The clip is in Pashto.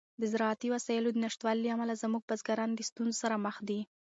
د زراعتي وسایلو د نشتوالي له امله زموږ بزګران له ستونزو سره مخ دي.